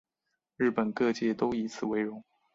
日本各界都以此为荣。